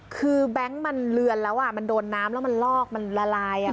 คือแบงค์มันเลือนแล้วมันโดนน้ำแล้วมันลอกมันละลาย